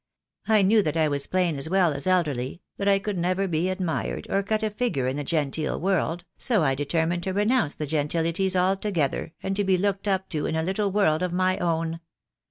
I knew that I was plain as well as elderly, that I could never be admired, or cut a figure in the genteel world, so I determined to renounce the gentilities altogether and to be looked up to in a little world of my own."